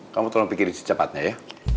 kamu tolong pikir secepatnya ya